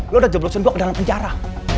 lu udah jeblosin gua ke dalam penjara